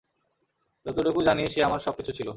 যতটুকু জানি সে আমার সবকিছু ছিল।